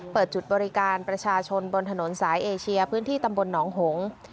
เปิดจุดบริการประชาชนบนถนนสายเอเชียพื้นที่ตำบลหนองหงษ์